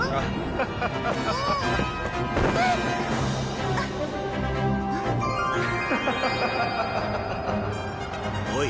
ハハハハハハ！おい。